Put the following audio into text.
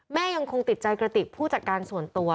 ยังคงติดใจกระติกผู้จัดการส่วนตัว